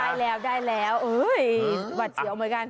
ได้แล้วได้แล้วโอ๊ยสบัดเสียงมากัน